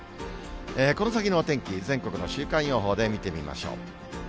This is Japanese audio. この先のお天気、全国の週間予報で見てみましょう。